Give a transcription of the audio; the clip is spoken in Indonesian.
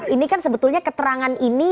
ini kan sebetulnya keterangan ini